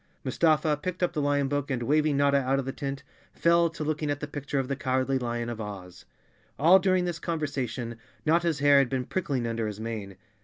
Mustafa picked up the lion book and, waving Notta out of the tent, fell to looking at the picture of the Cow¬ ardly lion of Oz. v All during this conversation Notta's hair had been prickling under his mane.